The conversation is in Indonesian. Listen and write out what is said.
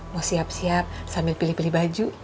mau siap siap sambil pilih pilih baju